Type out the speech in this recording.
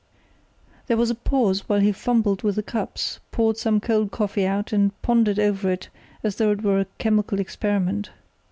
There was a pause while he fumbled with the cups, poured some cold coffee out and pondered over it as though it were a chemical experiment.